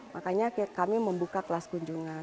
makanya kami membuka kelas kunjungan